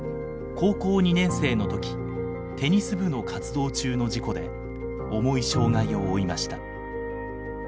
高校２年生の時テニス部の活動中の事故で重い障害を負いました。